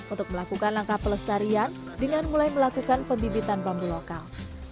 untuk melakukan langkah pelestarian dengan mulai melakukan pembibitan bambu lokal